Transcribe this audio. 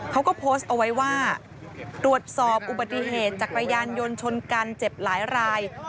เขาก็โพสต์เอาไว้ว่าตรวจสอบอุบัติเหตุจักรยานยนต์ชนกันเจ็บหลายราย